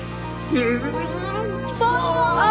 あ！